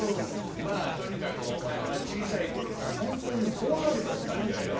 まあとにかくおまえはちいさいころからホントにこわがりだったんじゃよ。